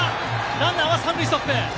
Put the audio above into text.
ランナーは３塁ストップ！